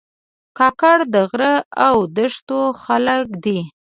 کاکړ د غره او دښتو خلک دي.